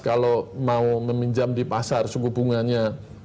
kalau mau meminjam di pasar suku bunganya